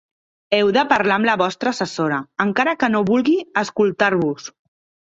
Heu de parlar amb la vostra assessora, encara que no vulgui escoltar-vos.